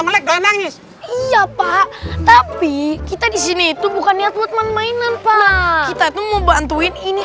melek doang nangis iya pak tapi kita di sini itu bukannya tuat mainan pak kita tuh mau bantuin ini